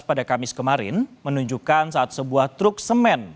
pada kamis kemarin menunjukkan saat sebuah truk semen